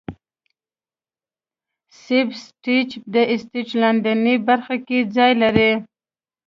سب سټیج د سټیج لاندینۍ برخه کې ځای لري.